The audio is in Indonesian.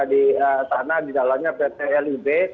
di sana di dalamnya pt lib